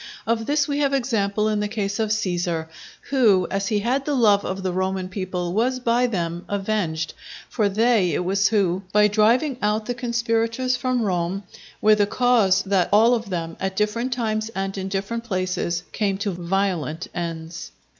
Of this we have example in the case of Cæsar, who as he had the love of the Roman people was by them avenged; for they it was who, by driving out the conspirators from Rome, were the cause that all of them, at different times and in different places, came to violent ends.